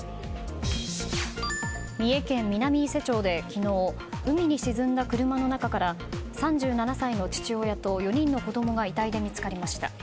三重県南伊勢町で昨日海に沈んだ車の中から３７歳の父親と４人の子供が遺体で見つかりました。